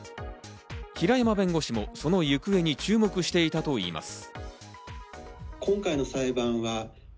平山弁護士もその行方に注目していたといいます。